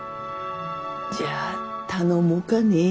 じゃあ頼もうかね。